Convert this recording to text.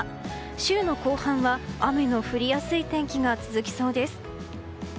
週の後半は雨の降りやすい天気が続きそうです。